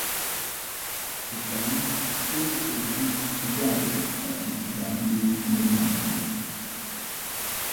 The band still exists today, but is currently inactive.